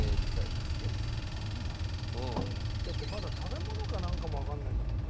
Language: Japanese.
だってまだ食べ物かなんかもわかんないんだもんね。